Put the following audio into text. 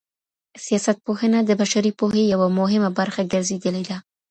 سياست پوهنه د بشري پوهې يوه مهمه برخه ګرځېدلې ده.